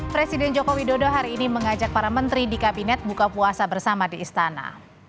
presiden joko widodo hari ini mengajak para menteri di kabinet buka puasa bersama di istana